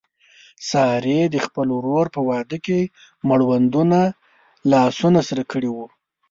سارې د خپل ورور په واده تر مړونده لاسونه سره کړي و.